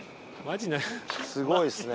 すごいですね。